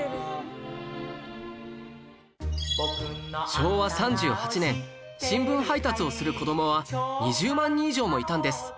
昭和３８年新聞配達をする子どもは２０万人以上もいたんです